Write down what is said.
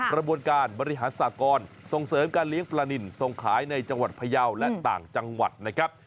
กระบวนการบริหารสากรส่งเสริมการเลี้ยงปลานินส่งขายในจังหวัดพยาวและต่างจังหวัดนะครับ